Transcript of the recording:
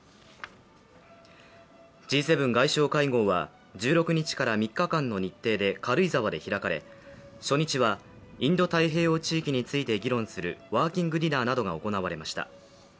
Ｇ７外相会合は１６日から３日間の日程で軽井沢で開かれ、初日はインド太平洋地域について議論するワーキングディナーなどが行われました。